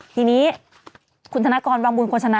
ทีนี้คุณธนกรบางบุญควรชนะ